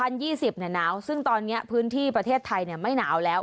หนาวซึ่งตอนนี้พื้นที่ประเทศไทยไม่หนาวแล้ว